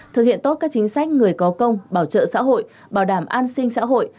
thực hiện tốt các chính sách người có công bảo trợ xã hội bảo đảm an sinh xã hội